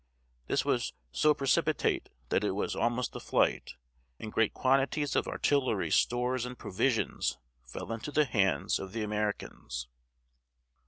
This was so precipitate that it was almost a flight, and great quantities of artillery, stores, and provisions fell into the hands of the Americans.